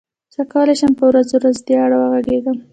زه کولای شم په ورځو ورځو په دې اړه وغږېږم.